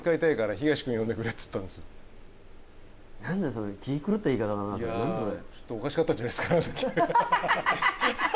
その気狂った言い方だな何それ？